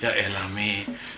ya elah mie